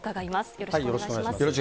よろしくお願いします。